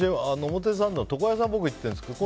表参道の床屋さんに僕、行ってるんですけど。